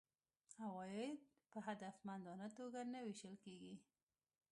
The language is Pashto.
عواید په هدفمندانه توګه نه وېشل کیږي.